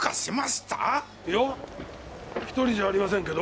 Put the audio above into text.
いや１人じゃありませんけど。